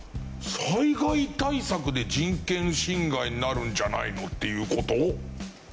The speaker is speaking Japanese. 災害対策で人権侵害になるんじゃないのっていう事？